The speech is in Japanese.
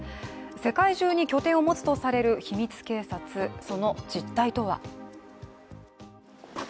世界中に拠点を持つとされる秘密警察その実態とは？